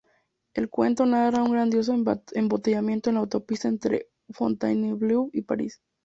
El cuento narra un grandioso embotellamiento en la autopista entre Fontainebleau y París.